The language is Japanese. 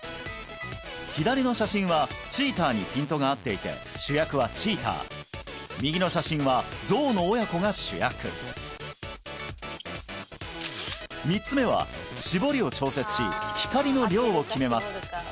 左の写真はチーターにピントが合っていて主役はチーター右の写真は象の親子が主役３つ目は絞りを調節し光の量を決めます